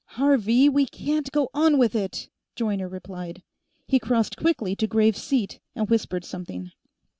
"Harvey, we can't go on with it," Joyner replied. He crossed quickly to Graves' seat and whispered something.